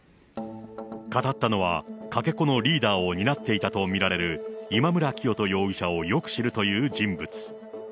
語ったのは、かけ子のリーダーを担っていたという今村磨人容疑者をよく知るという人物。